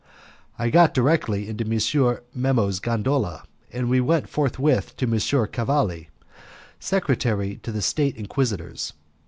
I got directly into M. Memmo's gondola, and we went forthwith to M. Cavalli, secretary to the State Inquisitors.